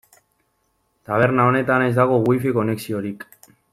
Taberna honetan ez dago Wi-Fi konexiorik.